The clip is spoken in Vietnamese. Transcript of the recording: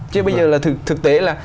chứ bây giờ là thực tế là